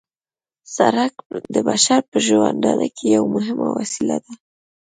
سرک د بشر په ژوندانه کې یوه مهمه وسیله ده